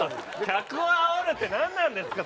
客をあおるってなんなんですか？